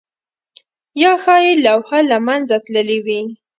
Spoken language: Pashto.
یا ښايي لوحه له منځه تللې وي؟